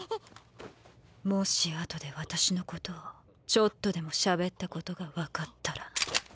もしあとで私のことをちょっとでもしゃべったことがわかったらーー。